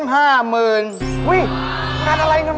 เห็นไหม